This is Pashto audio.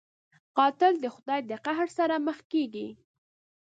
قاتل د خدای د قهر سره مخ کېږي